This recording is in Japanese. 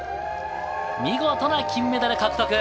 見事な金メダル獲得！